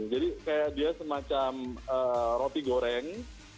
kayak dia semacam roti goreng